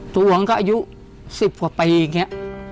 ตัวมันก็อายุ๑๐กว่าปีอย่างนี้